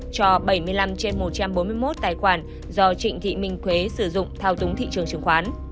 cho bảy mươi năm trên một trăm bốn mươi một tài khoản do trịnh thị minh quế sử dụng thao túng thị trường chứng khoán